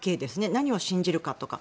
何を信じるかとか。